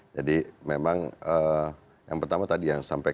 jadi memang yang pertama tadi yang saya sampaikan